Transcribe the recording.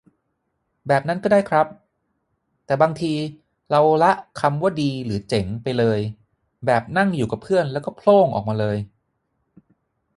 แบบนั้นก็ได้ครับ แต่บางทีเราละคำว่าดีหรือเจ๋งไปเลย แบบนั่งอยู่กับเพื่อนแล้วก็โผล่งออกมาเลย